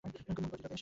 কুমুদ বলিল, বেশ।